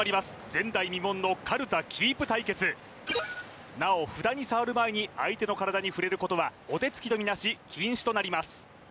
前代未聞のかるたキープ対決なお札に触る前に相手の体に触れることはお手つきとみなし禁止となります